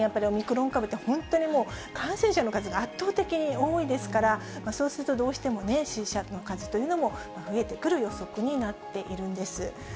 オミクロン株って、本当に感染者の数が圧倒的に多いですから、そうするとどうしてもね、死者の数というのも増えてくる予測になっているんです。